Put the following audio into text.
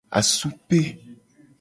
Asupe.